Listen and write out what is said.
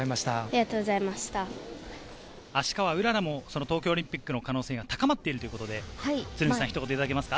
芦川うららも東京オリンピックの可能性が高まっているということで、一言いただけますか？